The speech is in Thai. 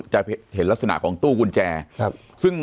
จะเห็นลักษณะของตู้กุญแจ